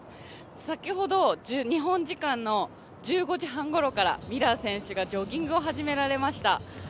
先ほど日本時間１５時半ごろからミラー選手がジョギングを開始しました。